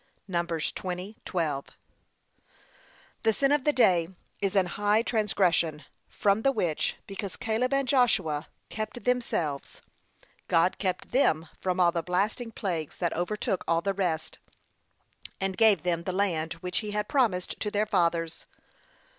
(Num. 20:12) The sin of the day is an high transgression; from the which, because Caleb and Joshua, kept then selves, God kept them from all the blasting plagues that overtook all the rest, and gave them the land which he had promised to their fathers.